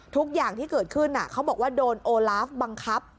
ทุกอย่างที่เกิดขึ้นเขาบอกว่าโดนโอลาฟบังคับ